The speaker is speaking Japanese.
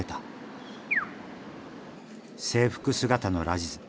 制服姿のラジズ。